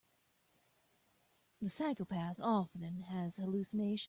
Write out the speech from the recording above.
The psychopath often has hallucinations.